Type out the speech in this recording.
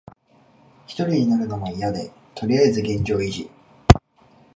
ひとりになるのもいやで、とりあえず現状維持。